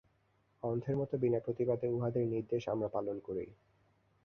অন্ধের মত বিনা প্রতিবাদে উহাদের নির্দেশ আমরা পালন করি।